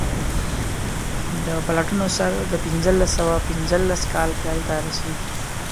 د پلټنو سر د پنځلس سوه پنځلس کال پیل ته رسیږي.